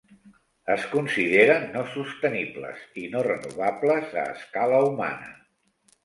Es consideren no sostenibles i no renovables a escala humana.